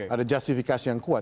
ada justifikasi yang kuat